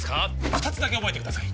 二つだけ覚えてください